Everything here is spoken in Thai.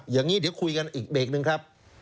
อย่างนี้เดี๋ยวคุยกันอีกเบรกหนึ่งครับ